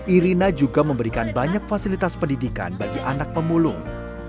irina juga memberikan banyak fasilitas pendidikan bagi anak pemulung